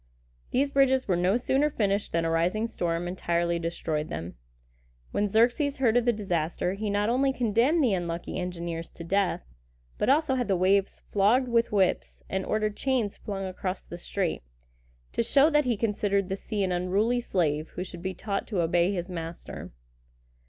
These bridges were no sooner finished than a rising storm entirely destroyed them. When Xerxes heard of the disaster, he not only condemned the unlucky engineers to death, but also had the waves flogged with whips, and ordered chains flung across the strait, to show that he considered the sea an unruly slave, who should be taught to obey his master.